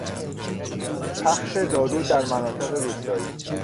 پخش دارو در مناطق روستایی